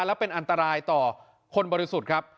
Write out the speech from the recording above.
และเป็นอันตรายต่อคนบริสุทธิ์ครับ